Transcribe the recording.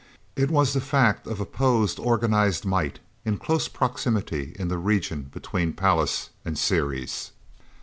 It was the fact of opposed organized might in close proximity in the region between Pallas and Ceres.